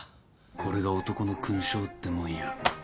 これが男の勲章ってもんよ。